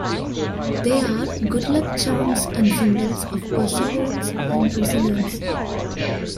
They are good-luck charms and symbols of perseverance and resilience.